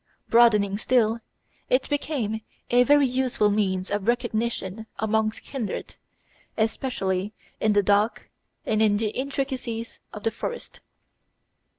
Broadening still, it became a very useful means of recognition among kindred, especially in the dark and in the intricacies of the forest.